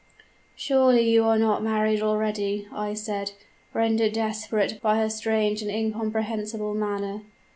"'Surely you are not married already?' I said, rendered desperate by her strange and incomprehensible manner.